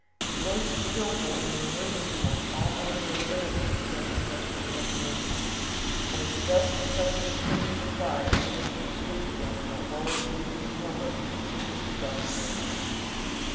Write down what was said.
His voice is skillful in removing from us all anger and bitterness against the most unjust measures, and is just such as kings require to put us to sleep again in that old hazy slumber which is the death of nations.